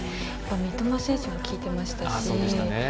三笘選手も効いてましたし。